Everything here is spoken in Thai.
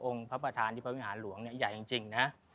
พระประธานที่พระวิหารหลวงเนี่ยใหญ่จริงนะ